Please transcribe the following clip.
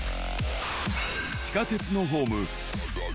地下鉄のホーム。